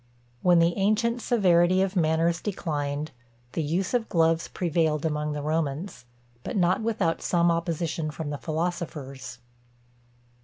When the ancient severity of manners declined, the use of gloves prevailed among the Romans; but not without some opposition from the philosophers.